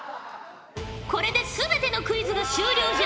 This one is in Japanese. これで全てのクイズが終了じゃ。